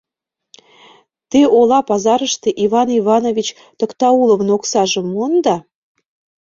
Те ола пазарыште Иван Иванович Токтауловын оксажым муында.